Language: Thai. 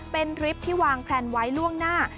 เป็นทริปที่วางแพลนไว้ล่วงหน้า